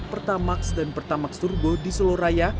pertamax dan pertamax turbo di solo raya